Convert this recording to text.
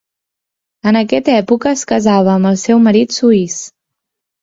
En aquesta època es casava amb el seu marit suís.